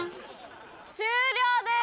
終了です！